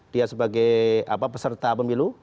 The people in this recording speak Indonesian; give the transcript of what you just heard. dia sebagai peserta pemilu